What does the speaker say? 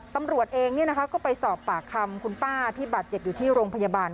ตำรวจเองก็ไปสอบปากคำคุณป้าที่บาดเจ็บอยู่ที่โรงพยาบาล